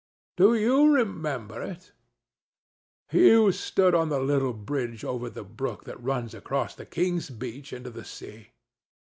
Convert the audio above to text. Do you remember it? You stood on the little bridge over the brook that runs across King's Beach into the sea.